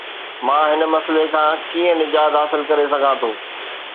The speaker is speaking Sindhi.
مان هن مسئلي کان ڪيئن نجات حاصل ڪري سگهان ٿو؟